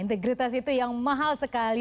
integritas itu yang mahal sekali